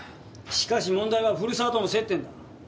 しかし問題は古沢との接点だ。